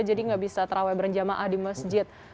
jadi tidak bisa terawih berjamaah di masjid